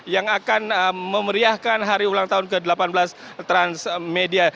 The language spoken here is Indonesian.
yang akan memeriahkan hari ulang tahun ke delapan belas transmedia